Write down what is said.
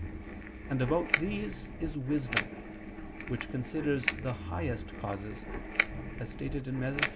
And about these is wisdom, which considers the highest causes, as stated in _Metaph.